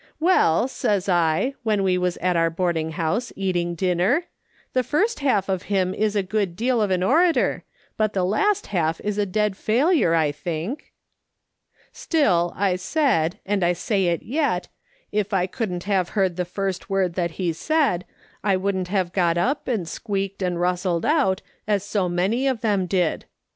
'•' Well,' says I, when we was at our boarding house, eating dinner, ' the first half of him is a good deal of an orator, but the last half is a dead failure, I think.' " Still, I said, and I say it yet, if I couldn't have heard the first word that he said, I wouldn't have got up and squeaked and rustled out as so many of them did.